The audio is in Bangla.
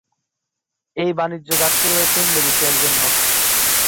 এই বাণিজ্য ঘাটতি রয়েছে ইন্দোনেশিয়ার জন্য।